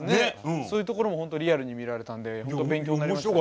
そういうところもホントリアルに見られたんで勉強になりましたね。